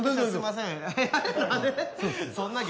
すいません。